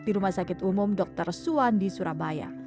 di rumah sakit umum dr suwandi surabaya